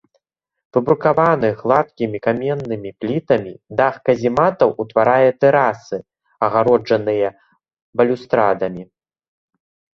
Выбрукаваны гладкімі каменнымі плітамі дах казематаў ўтварае тэрасы, агароджаныя балюстрадамі.